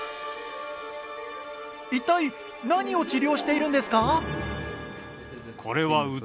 一体何を治療しているんですか？